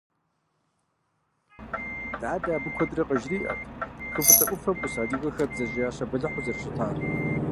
Дадэ абы куэдрэ къыжриӀэрт Хы фӀыцӀэ Ӏуфэм Ӏус адыгэхэр бдзэжьеящэ бэлыхьу зэрыщытар.